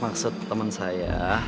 maksud temen saya